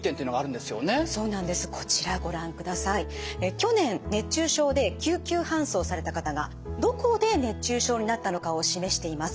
去年熱中症で救急搬送された方がどこで熱中症になったのかを示しています。